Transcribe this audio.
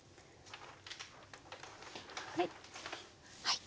はい。